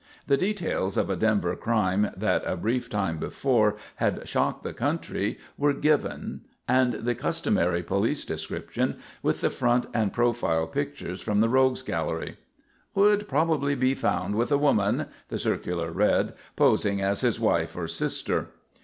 The details of a Denver crime that a brief time before had shocked the country were given and the customary police description, with the front and profile pictures from the rogues' gallery. "Would probably be found with a woman," the circular read, "posing as his wife or sister."